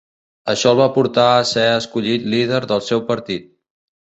Això el va portar a ser escollit líder del seu partit.